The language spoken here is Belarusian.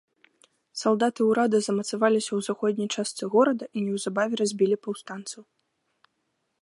Салдаты ўрада замацаваліся ў заходняй частцы горада і неўзабаве разбілі паўстанцаў.